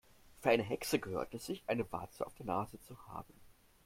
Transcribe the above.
Für eine Hexe gehört es sich, eine Warze auf der Nase zu haben.